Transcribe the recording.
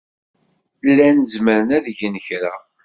Llan zemren ad gen kra.